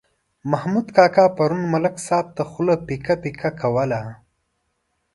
محمود کاکا پرون ملک صاحب ته خوله پیکه پیکه کوله.